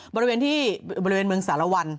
บริเวณที่บริเวณเมืองสารวัล